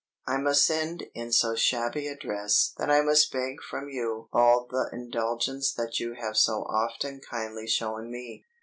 I must send in so shabby a dress that I must beg from you all the indulgence that you have so often kindly shown me.